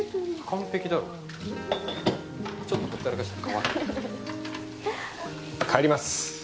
完璧だろちょっとほったらかしたら乾くハハハハ帰ります